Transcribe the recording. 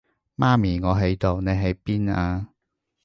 媽咪，我喺度，你喺邊啊？